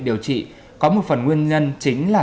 điều trị có một phần nguyên nhân chính là